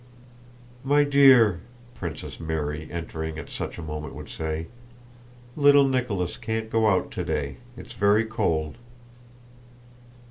"My dear," Princess Mary entering at such a moment would say, "little Nicholas can't go out today, it's very cold."